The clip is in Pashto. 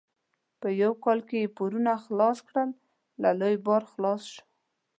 په یو کال یې پورونه خلاص کړل؛ له لوی باره خلاص شو.